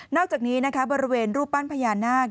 นอกจากนี้บริเวณรูปปั้นพยานาค